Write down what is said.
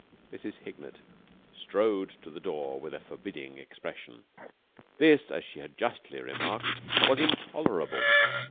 Mrs. Hignett strode to the door with a forbidding expression. This, as she had justly remarked, was intolerable.